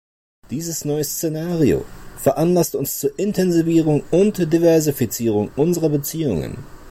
Dieses neue Szenario veranlasst uns zur Intensivierung und Diversifizierung unserer Beziehungen.